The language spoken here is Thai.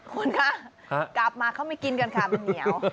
คุณคะกลับมาเขาไม่กินกันค่ะมันเหนียว